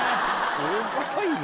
すごいな。